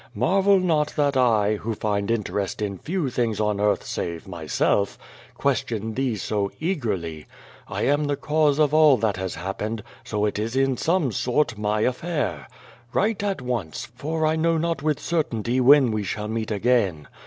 Marvel not that I, who find interest in few things on earth save myself, question thee so eagerly. I am the cause of all that has happened, so it is in some sort my affair. Write at once, for I know not with certainty when we shall meet again.